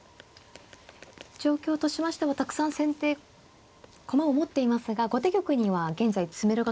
状況としましてはたくさん先手駒を持っていますが後手玉には現在詰めろがかかっていない状況。